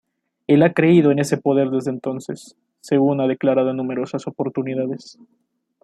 Él ha creído en ese poder desde entonces, según ha declarado en numerosas oportunidades.